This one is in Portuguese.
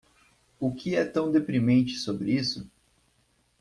O que é tão deprimente sobre isso?